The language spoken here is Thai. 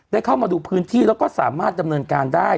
เข้ามาดูพื้นที่แล้วก็สามารถดำเนินการได้